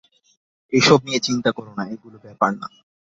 এসব নিয়ে চিন্তা করো না, এগুলো ব্যাপার না।